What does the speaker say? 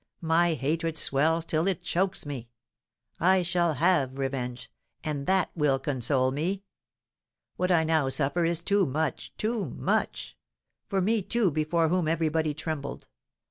My hatred swells till it chokes me; I shall have revenge, and that will console me. What I now suffer is too much too much! for me, too, before whom everybody trembled.